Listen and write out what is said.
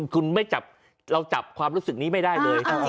คุณไม่จับเราจับความรู้สึกนี้ไม่ได้เลย